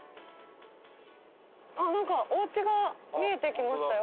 あっなんかおうちが見えてきましたよ